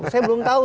saya belum tahu